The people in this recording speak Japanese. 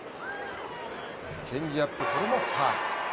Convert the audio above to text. チェンジアップこれもファウル。